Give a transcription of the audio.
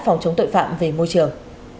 phòng chống tội phạm về môi trường